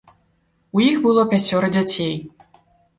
У іх было пяцёра дзяцей.